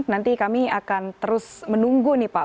nanti kami akan terus menunggu nih pak